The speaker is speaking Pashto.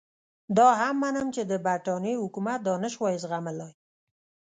دا هم منم چې د برټانیې حکومت دا نه شوای زغملای.